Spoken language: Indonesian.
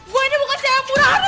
gue ini bukan si ayah pura pura